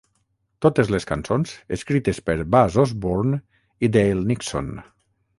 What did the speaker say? Totes les cançons escrites per Buzz Osborne i Dale Nixon.